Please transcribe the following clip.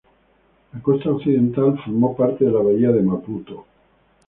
La costa occidental, forma parte de la bahía de Maputo.